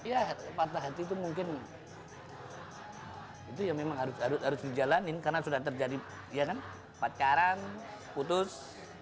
ya patah hati itu mungkin itu ya memang harus dijalanin karena sudah terjadi pacaran putus